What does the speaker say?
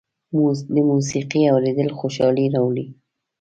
د موسيقۍ اورېدل خوشالي راولي.